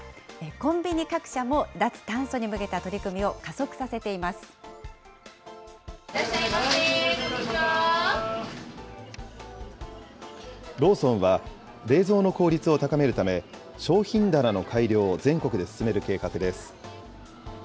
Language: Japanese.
コンビニ各社も脱炭素に向けた取ローソンは、冷蔵の効率を高めるため、商品棚の改良を全国で進める計画です。